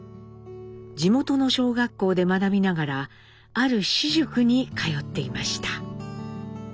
地元の小学校で学びながらある私塾に通っていました。